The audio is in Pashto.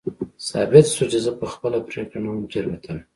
ثابته شوه چې زه په خپله پرېکړه نه وم تېروتلی.